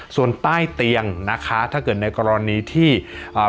ส่วนใต้เตียงนะคะถ้าเกิดในกรณีที่อ่า